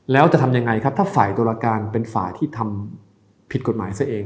แล้วจะทำยังไงครับถ้าฝ่ายตุรการเป็นฝ่ายที่ทำผิดกฎหมายซะเอง